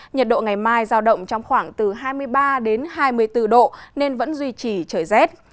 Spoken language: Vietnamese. nhiệt độ ngày mai giao động trong khoảng từ hai mươi ba đến hai mươi bốn độ nên vẫn duy trì trời rét